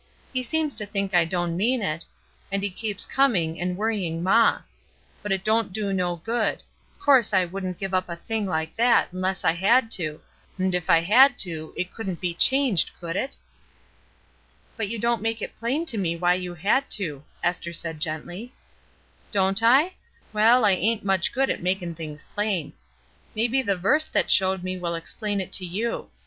He seems to think I don' mean it, and he keeps coming, an' worry ing maw. But it don't do no good; 'course I wouldn't give up a thing like that 'nless I had to; 'nd if I had to, it couldn't be changed, could it?" "But you don't make it plain to me why you had to," Esther said gently. "Don't I? Well, I ain't much good at 262 ESTER RIED^S NAMESAKE makin' things plain. Maybe the verse that showed me, will explain it to you.